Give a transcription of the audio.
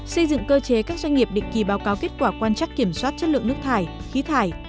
xây dựng cơ chế các doanh nghiệp định kỳ báo cáo kết quả quan trắc kiểm soát chất lượng nước thải khí thải